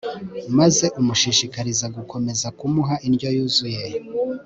maze umushishikarize gukomeza kumuha indyo yuzuye